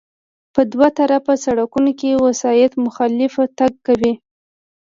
په دوه طرفه سړکونو کې وسایط مخالف تګ کوي